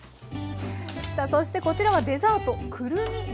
さあそしてこちらはデザート。